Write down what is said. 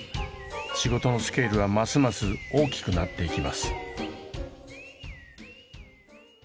仕事のスケールはますます大きくなっていきます。